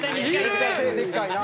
めっちゃ背でっかいな。